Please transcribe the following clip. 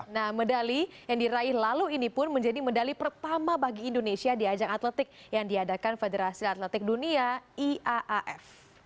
nah medali yang diraih lalu ini pun menjadi medali pertama bagi indonesia di ajang atletik yang diadakan federasi atletik dunia iaaf